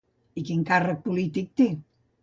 I quin càrrec polític té?